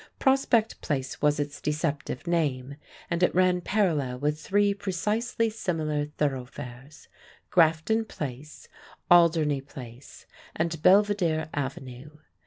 Prospect Place was its deceptive name, and it ran parallel with three precisely similar thoroughfares Grafton Place, Alderney Place, and Belvedere Avenue.